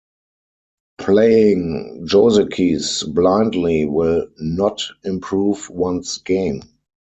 Playing "josekis" blindly will not improve one's game.